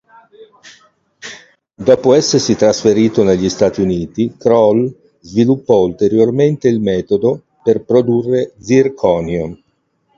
Dopo essersi trasferito negli Stati Uniti, Kroll sviluppò ulteriormente il metodo per produrre zirconio.